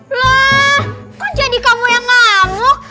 wah kok jadi kamu yang ngamuk